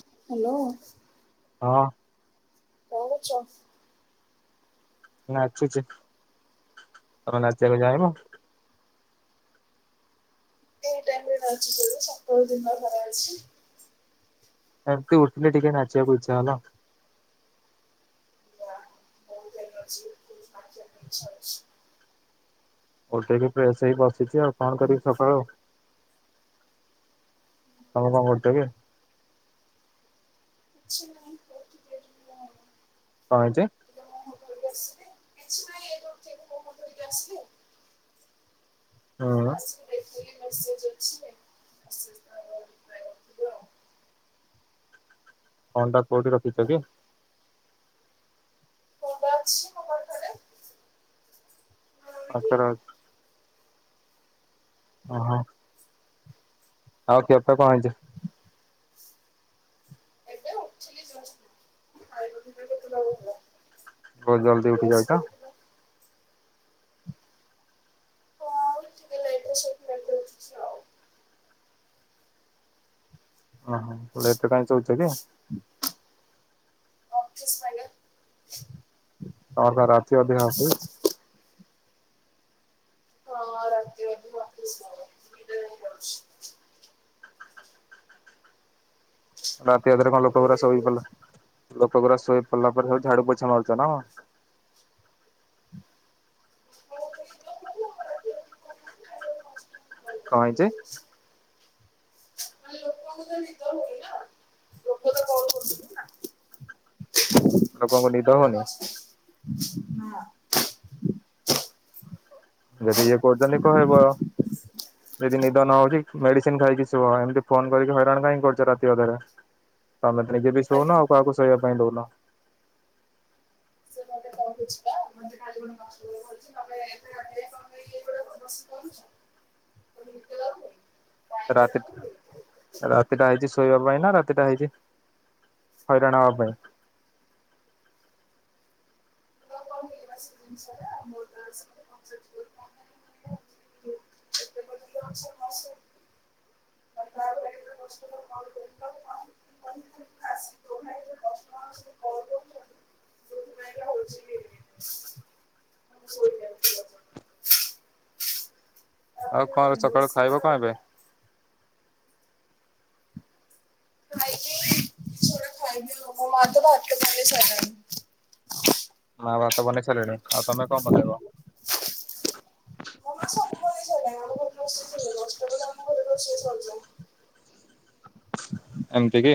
Hello. ହଁ। କଣ କରୁଚ? ନାଚୁଚି ତମେ ନାଚିବା ପାଇଁ ଯାଇବ । ଏ ଟାଇମ୍ ରେ ନାଚୁ ଯେ [unintelligible] ସକାଳେ ଦିନ ସାର ଅଛି ସାରା ଅଛି। ରାତି ଉଠିଲେ ଟିକେ ନାଚିବାକୁ ଇଚ୍ଛା ହେଲା ଆଉ । [unintelligible] [unintelligible] [unintelligible] ଦେଖିଆ କଣ କରିବି ସକାଳେ ଆଉ। [inaudible] ତମେ କଣ କରୁଚ କି? [inaudible] କିଛି ନାଇଁ [unintelligible] ମାନେ କଣ ହେଇଚି? ମୁଁ ଘରକୁ ଆସିଲି କିଛି ନାଇଁ ଏଇ ଯୋଉ ଜିବୁ ବୋଉ ମନ୍ଦିର ଯିବେ ଆସିଲି। ହୁଁ ଆସକି ଦେଖିଲି ରୋଷେଇ ଚାଲିଚି ଆସିଲି ପରେ ଖାଇକି ଜିବୁ ଆଉ। ଫୋନଟା କୋଉଠି ରଖିଚ କି? ଫୋନ୍ ଟା ଅଛି ମୋ ପାଖରେ। ପାଖରେ ଅ ଓହଁ। ଆଉ କେତେ କଣ ହେଇଚି? ଏବେ ଉଠିଲି ଜଷ୍ଟ ଖାଇବାକୁ [unintelligible] ବହୁତ ଜଲ୍ଦୀ ଉଠି ଯାଉଚ? ହଁ ଟିକେ ଲେଟ୍ ଶୋଉଚି ଲେଟ୍ ରେ ଉଠୁଚି ଆଉ। ଓ ହଁ ଲେଟ୍ ରେ କାଇଁ ଚୋଉଚ କି? ଅଫିସ ପାଇଁ ଲେ ତମର କଣ ରାତି ଅଧିଆ ଅଫିସ୍? ହଁ ରାତି ଅଧିଆ ଅଫିସ୍ କାମ ଦିଇଟା ଯାଏଁ କରୁଚି। ରାତି ଅଧରେ କଣ ଲୋକଗୁରା ଶୋଇ ପଡ଼ିଲା ଲୋକ ଗୁରା ଶୋଇ ପଡିଲା ପରେ ସବୁ ଝାଡୁ ପୋଛା ମାରୁଚ ନା କଣ? [unintelligible] କଣ ହେଇଚି? [unintelligible] ଲୋକଙ୍କୁ ନିଦ ହୋଉନି? ଯଦି ଇଏ କରୁଚନ୍ତି କହିବ ଯଦି ନିଦ ନ ହୋଉଚି ମେଡିସିନ ଖାଇକି ଶୁଅ ଏମିତି ଫୋନ୍ କରିକି ହଇରାଣ କାଇଁ କରୁଚ ରାତି ଅଧରେ ତମେ ତ ନିଜେ ବି ଶୋଉନ ଆଉ କାହାକୁ ଶୋଇବା ପାଇଁ ଦୋଉନ। [inaudible] କୋହୁଚିପା ମତେ [unintelligible] ତମେ ଏତେ ରାତି ଯାଏଁ କଣ ପାଇଁ ଏଗୁଡ଼ାକ ବ ରାତି ରାତିଟା ହେଇଚି ଶୋଇବା ପାଇଁ ନା ରାତିଟା ହେଇଚି ହଇରାଣ ହବା ପାଇଁ। [inaudible] ଆଉ କଣ ସକାଳୁ ଖାଇବ କଣ ଏବେ? ମା ଭାତ ବନେଇ ସାରିଲେଣି ଆଉ ତମେ କଣ ବନେଇବ? ଏମିତି କି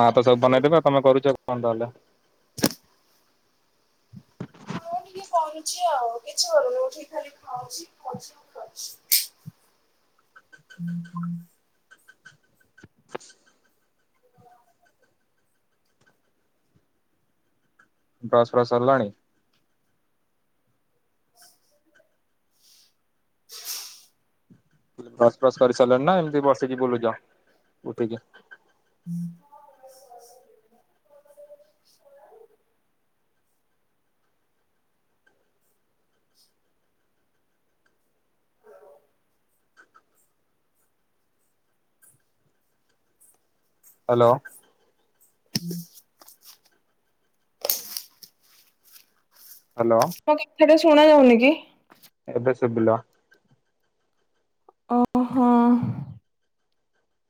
ମା ତ ସବୁ ବନେଇ ଦେବେ ଆଉ ତମେ କରୁଚ କଣ ତାହଲେ? ମୁଁ କିଛି କରୁନି ଉଠିକ ଖାଲି ଖାଉଚି ଖାଉଚି ଆଉ ଖାଉଚି। ବ୍ରସ ଫ୍ରସ ସରିଲାଣି। ବ୍ରସ୍ ଫ୍ରସ୍ କରି ସାରିଲଣି ନା ଏମତି ବସିକି ବୁଲୁଚ ଉଠିକି? [inaudible] ହାଲୋ। [unintelligible] ହ୍ୟାଲୋ ମଁ କି [unintelligible] ଶୁଣା ଯାଉନି କି? ଏବେ ସୁଵିଲା। ହଁ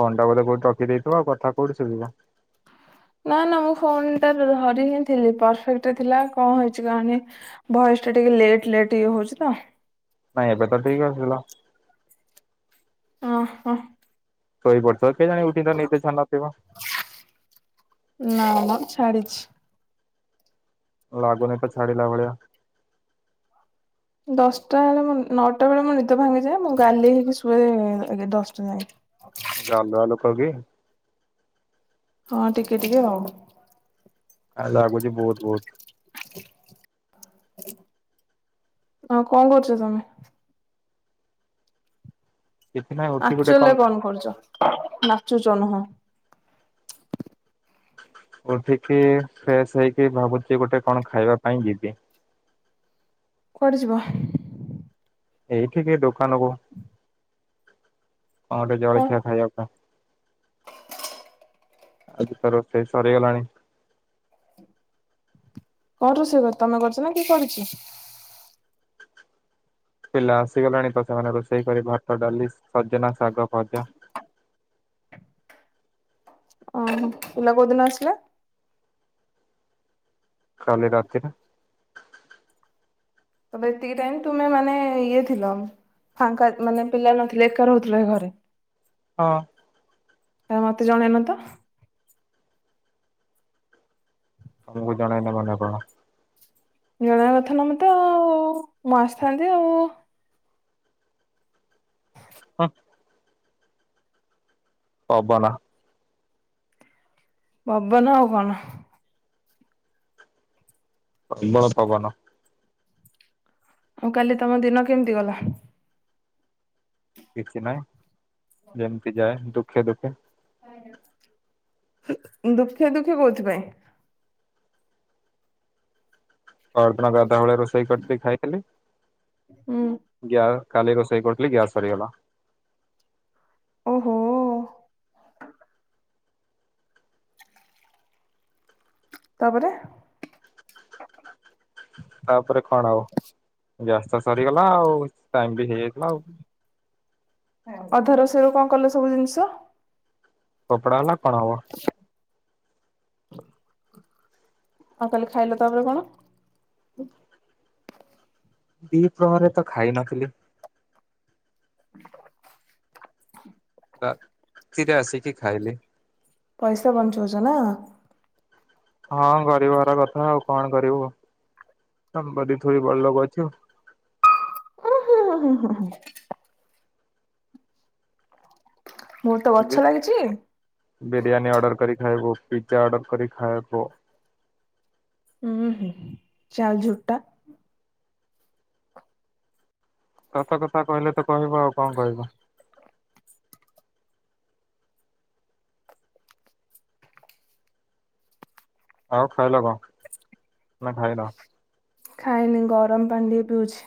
ଫୋନ ଟା ବୋଧେ କୋଉଠି ରଖିଦେଇଥିବ ଆଉ କଥା କୋଉଠି ସୁବିବ। ନା ନା ମୁଁ ଫୋନ ଟା ଧରି ହିଁ ଥିଲି ପରଫେକ୍ଟ ଥିଲା କଣ ହେଇଛି କେଜାଣି ଭଏସ ଟା ଟିକେ ଲେଟ ଲେଟ ଇଏ ହଉଛି ତ। ନାଇଁ ଏବେ ତ ଠିକ ଆସିଗଲା। ଓ ହ। ଶୋଇ ପଡ। ତୋର କେଜାଣି ଉଠିକି ତ ନିଦ ଛାଡି ନ ଥିବ । ଛାଡ଼ିଛି। ଲାଗୁନି ତ ଛାଡ଼ିଲା ଭଳିଆ । ଦଶଟା ବେଳେ ମୋ ନଅଟା ବେଳେ ମୋ ନିଦ ଭାଙ୍ଗିଯାଏ ମୁଁ ଗାଲେଇ ହେଇକି ଶୁଏ ଏଗ ଦଶଟା ଯାଙ୍କେ। ଗାଲୁଆ ଲୋକ କି। ହଁ ଟିକେ ଟିକେ ଆଉ। ଏ ଲାଗୁଛି ବହୁତ ବହୁତ। [unintelligible] ଆଉ କଣ କରୁଛ ତମେ। କିଛି ନାହିଁ ଉଠି ଗୋଟେ ଅକ୍ଚୁଆଲ ରେ କଣ କରୁଛ ନାଚୁଛ ନୁହଁ। ଉଠିକି ଫ୍ରେଶ ହେଇକି ଭାବୁଛି ଗୋଟେ କଣ ଖାଇବା ପାଇଁ ଯିବି। କୁଆଡେ ଯିବ। ଏଇଠିକ ଦୋକାନକୁ। କଣ ଗୋଟେ ଜଳଖିଆ କଣ ଖାଇଆକୁ। ଆଜି ତ ରୋସେଇ ସରେଗଲାଣି। କଣ ରୋଷେଇ କର ତମେ କରଛ ନା କିଏ କରିଚି। ପିଲା ଆସିଗଲେଣି ତ ସେମାନେ ରୋଷେଇ କରି ଭାତ ଡାଲି ସଜନା ଶାଗ ଭଜା। ଓ ହୋ ପିଲା କୋଉଦିନ ଆସିଲା। କାଲି ରାତିରେ। ତବେ ଏତିକି ଟାଇମ ତୁମେ ମାନେ ଇଏ ଥିଲ ଫାଙ୍କା ମାନେ ପିଲା ନଥିଲେ ଏକା ରହୁଥିଲ ଏ ଘରେ। ହଁ। କାଇଁ ମତେ ଜଣେଇନ ତ। ତମକୁ ଜଣେଇନି ମାନେ କଣ। ଜଣାଇବା କଥା ନା ମତେ ଆଉ ମୁଁ ଆସିଥାନ୍ତି ଆଉ। ହଁ। ପବନ। ପବନ ଆଉ କଣ। ପ୍ରବଳ ପବାନ। ଆଉ କାଲି ତମ ଦିନ କେମତି ଗଲା? କିଛି ନାହିଁ ଯେମତି ଯାଏ ଦୁଃଖେ ଦୁଃଖେ। ଦୁଃଖେ ଦୁଃଖେ କୋଉଥିପାଇଁ? ପହରଦିନ ଗାଧୁଆ ବେଳେ ରୋଷେଇ କରିଥିଲି ଖାଇଦେଲି। ହୁଁ ଗ୍ୟାଓ କାଲି ରୋଷେଇ କରଥୁଲି ଗ୍ୟାସ ସରିଗଲା। ଓହୋ। ତାପରେ? ତାପରେ କଣ ଆଉ ଗ୍ୟାସ୍ ତ ସରିଗଲା ଆଉ ଟାଇମ୍ ବି ହେଇଗଲା ଆଉ। ଅଧା ରୋଷେଇର କଁ କଲ ସବୁ ଜିନିଷ? ଫୋପଡ଼ା ଗଲା। ହ ଆଉ କାଲି ଖାଇଲ ତାପରେ କଣ? ଦିପ୍ରହରେ ତ ଖାଇ ନଥିଲି। ରାତିରେ ଆସକି ଖାଇଲି। ପଇସା ବଞ୍ଚଉଚ ନାଁ? ହଁ ଗରିବ ଘର କଥା ଆଉ କଣ କରିବୁ ତମ ବଡି ଥୋଡ଼ି ବଡ଼ ଲୋକ ଅଛୁ? ଓହୋ ହଁ ହଁ ହଁ। ମୋର ତ ଗଛ ଲାଗିଚି। ବିିରିୟାନୀ ଅର୍ଡର କରି ଖାଇବୁ ପିଜ୍ଜା ଆର୍ଡର କରି ଖାଏବ। ଉଁ ହୁଁ। [unintelligible] ସତ କଥା କହିଲେ ତ କହିବ ଆଉ କଁ କଇବ? ଆଉ ଖାଇଲ କଁ ନାଁ ଖାଇନ? ଖାଇନି ଗରମ ପାଣି ଟିଏ ପିଉଛି।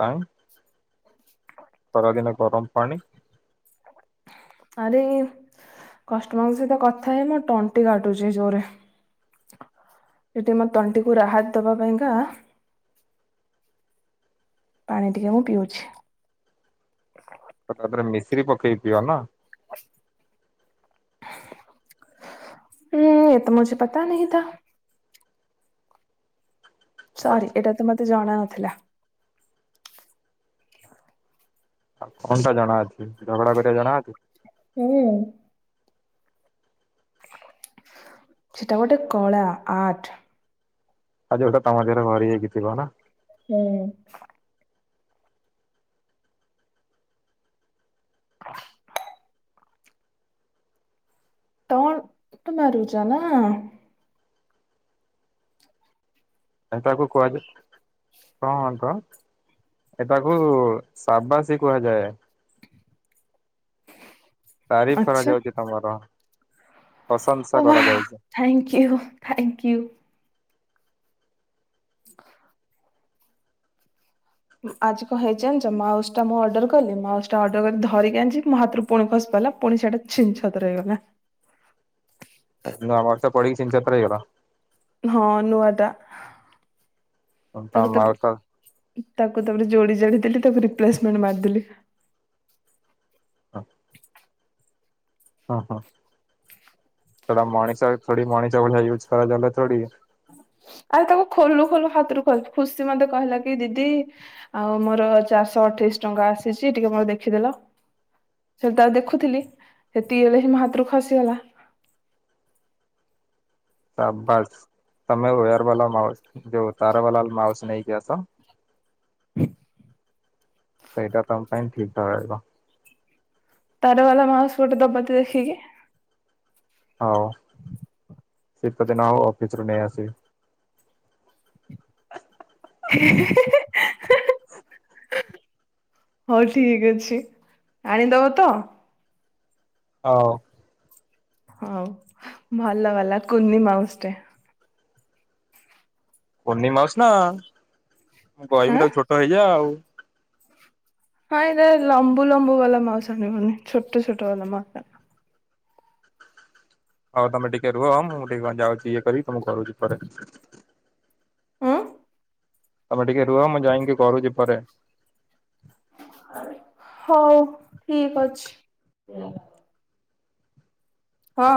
କାଇଁ ଖରାଦିିନ ଗରମ ପାଣି? ଆରେ କଷ୍ଟମରଙ୍କ ସହିତ କଥା ହେଇ ମୋ ଟଣ୍ଟି କାଟୁଚି ଜୋରେ ସେଇଥିଆଇଁ ମୋ ତଣ୍ଟିକୁୁ ରାହାତ ଦବା ପାଇଁକା ପାଣି ଟିକେ ମୁଁ ପିଉଛି। ତ ତା ଦେହରେ ମିଶିରି ପକେଇ ପିଅ ନା। ଉଁ [unintelligible] ସରି ଏଇଟା ତ ମତେ ଜଣା ଥିଲା। ଆଉ କଣଟା ଜଣା ଅଛି? ଝଗଡ଼ା କରିବା ଜଣା ଅଛି? ହୁଁ। ସେଟା ଗୋଟେ କଳା ଆଟ୍। ଆଉ ଯୋଉଟା ତମ ଦେହରେ ଭରିହେଇକି ଥିବ ନାଁ। ହୁଁ। [inaudible] ଟଣ୍ଟ୍ ମାରୁଚ ନାଁ? ଏଟାକୁ କୁହାଯାଏ କଣ ତ ଏଟାକୁ ସାବାସି କୁହାଯାଏ। ତାରିଫ କରାଯାଉଚି ତମର। ପ୍ରଶଂସା ଓବା କରାଯାଉଛି। Thank you thank you. ଆଜି କଣ ହେଇଚି ଜାଣିଛ ମାଉସଟା ମୁଁ ଅର୍ଡର କଲି ମାଉସଟା ଅର୍ଡର କରି ଧରିକି ଆଣିଚି ମୋ ହାତରୁ ପୁଣି ଖସି ପାଇଲା ପୁଣି ସେଟା ଛିନଛତ୍ର ହେଇଗଲା। ନୁଆ ମାଉସଟା ପିଠିକି ଛିନଛତ୍ର ହେଇଗଲା। ହଁ ନୂଆଟା। ତା ତାକୁ ତ ମାଉଚ ଟା ତାକୁ ତାପରେ ଯୋଡି ଯୋଡି ଦେଲି ତାକୁ ରିପ୍ଲେସମେଣ୍ଟ ମାରିଦେଲି। [inaudible] ହଁ ହଁ ସେଟା ମଣିଷ ଭଳିଆ ଥୋଡି ମଣିଷ ଭଳିଆ ୟୁଜ କରାଗଲେ ଥୋଡ଼ି। ଆରେ ତାକୁ ଖୋଲୁ ଖୋଲୁ ହାତରୁ ଖସି ଖୁସି ମତେ କହିଲା କି ଦିଦି ଆଉ ମୋର ଚାରିଶହ ଅଠେଇଶି ଟଙ୍କା ଆସିଚି ଟିକେ ମୋର ଦେଖିଦେଲ ସେ ତାର ଦେଖୁଥିଲି ହେତିକି ବେଳେ ହିଁ ମୋ ହାତରୁ ଖସିଗଲା। ସାବାସ୍ ତମେ ଓୟର ବାଲା ମାଉସ ଯୋଉ ତାର ବାଲା ମାଉସ ନେଇକି ଆସ ସେଇଟା ତମ ପାଇଁ ଠିକ ରହିବ। ତାର ବାଲା ମାଉସ ଗୋଟେ ଦବତ ଦେଖିକି। ହୋଉ। ଶୀତ ଦିନ ହୋଉ ଅଫିସରୁ ନେଇ ଆସିବି। [unintelligible] ହୋଉ ଠିକ ଅଛି ଆଣିଦବତ? ହୋଉ। ହୋଉ ଭଲ ହେଲା କୁନି ମାଉସଟେ। କୁନି ମାଉସ ନା ମୁଁ ହଁ କହିବି ତାକୁ ଛୋଟ ହେଇଯା ଆଉ। ହଁ ଏଇ ଲମ୍ବୁ ଲମ୍ବୁ ବାଲା ମାଉସ ଆଣିବନି ଛୋଟ ଛୋଟ ବାଲା ମାଉସ ଆଣିବ। ଆଉ ତମେ ଟିକେ ରୁହ ମୁଁ ଟିକେ ଯାଉଚି ଇଏ କରିବି ତମକୁ ମୁଁ କରୁଚି ପରେ। ଉଁ। ତମେ ଟିକେ ରୁହ ମୁଁ ଯାଇକି କରୁଚି ପରେ। ହୋଉ ଠିକ ଅଛି। ହଁ।